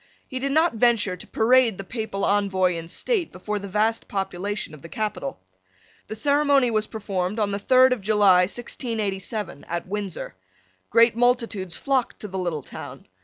He did not venture to parade the Papal Envoy in state before the vast population of the capital. The ceremony was performed, on the third of July 1687, at Windsor. Great multitudes flocked to the little town.